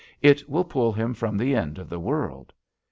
It will pull him from the end of the world.